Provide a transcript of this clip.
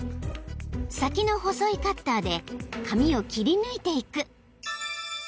［先の細いカッターで紙を切り抜いていく］